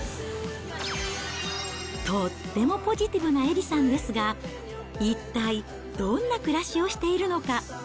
とってもポジティブなエリさんですが、一体どんな暮らしをしているのか。